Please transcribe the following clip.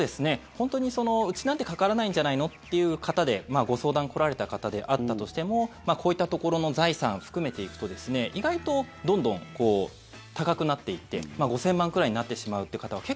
本当に、うちなんてかからないんじゃないのっていう方でご相談に来られた方であったとしてもこういったところの財産含めていくと意外とどんどん高くなっていって５０００万くらいになってしまうという方はえー！